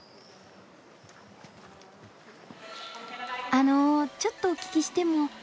あのちょっとお聞きしても？